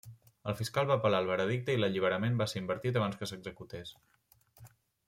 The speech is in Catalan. El fiscal va apel·lar el veredicte i l'alliberament va ser invertit abans que s'executés.